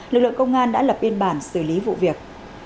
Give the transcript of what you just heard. lực lượng công an đã lập biên bản xử lý vụ việc